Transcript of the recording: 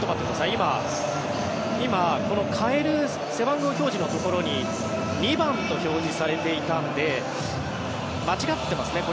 今、代える背番号表示のところに２番と表示されていたので間違ってますね。